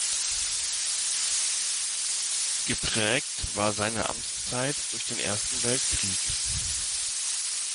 Geprägt war seine Amtszeit durch den Ersten Weltkrieg.